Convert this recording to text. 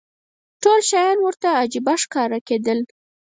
ټول شیان ورته عجیبه ښکاره کېدل.